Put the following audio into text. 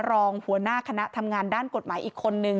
รองหัวหน้าคณะทำงานด้านกฎหมายอีกคนนึง